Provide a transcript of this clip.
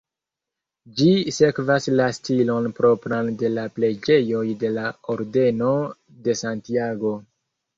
Ĝi sekvas la stilon propran de la preĝejoj de la Ordeno de Santiago.